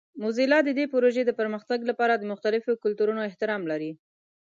موزیلا د دې پروژې د پرمختګ لپاره د مختلفو کلتورونو احترام لري.